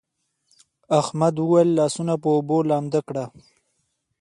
احمد وويل: لاسونه په اوبو لوند کړه.